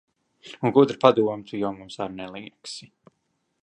Un gudra padoma tu jau mums ar neliegsi.